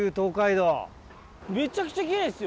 めちゃくちゃ奇麗っすよ。